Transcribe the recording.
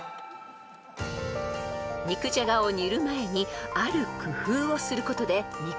［肉じゃがを煮る前にある工夫をすることで煮崩れを防ぐんです。